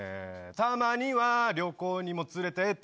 たまには旅行にも連れてって。